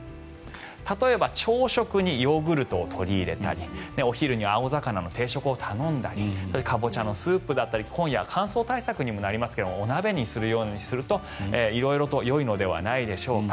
例えば朝食にヨーグルトを取り入れたりお昼に青魚の定食を頼んだりカボチャのスープだったり今夜、乾燥対策にもなりますがお鍋にしたりすると色々とよいのではないでしょうか。